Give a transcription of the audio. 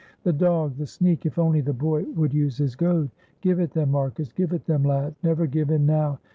The dog, the sneak ! If only the boy would use his goad. Give it them, Marcus! Give it them, lad! Never give in now!